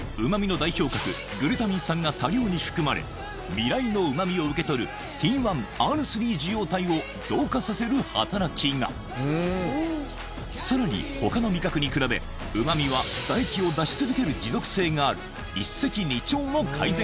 味蕾のうま味を受け取るＴ１Ｒ３受容体を増加させる働きがさらに他の味覚に比べうま味は唾液を出し続ける持続性がある一石二鳥の改善